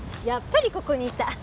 やっぱりここにいた。